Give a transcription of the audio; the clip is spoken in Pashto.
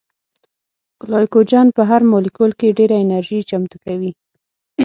ګلایکوجن په هر مالیکول کې ډېره انرژي چمتو کوي